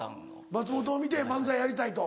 松本を見て漫才やりたいと。